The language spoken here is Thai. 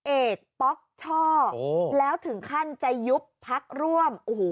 เอกป๊อกช่อแล้วถึงขั้นจะยุบพักร่วมโอ้โห